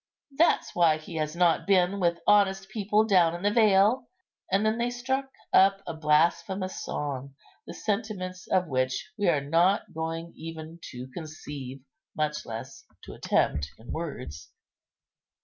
that's why he has not been with honest people down in the vale." And then they struck up a blasphemous song, the sentiments of which we are not going even to conceive, much less to attempt in words.